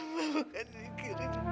mbak bukan mikirin